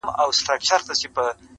و خوږ زړگي ته مي.